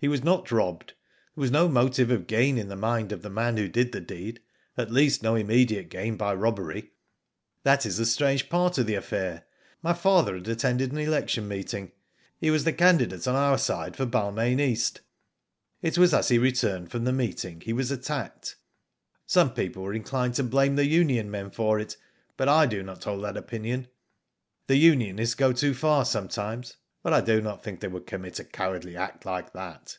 "He was not robbed. There was no motive of gain in the mind of the man who did the deed. At least no immediate gain by robbery. That is the strange part of the affair. My father had attended a.n election meeting. He was the candidate on our side for Balmain East. It was as he returned from the meeting he was attacked. Some people were inclined to blame the union men for it, but I do not hold that opinion. The unionists go too far sometimes, but I do not think they would commit a cowardly act like that."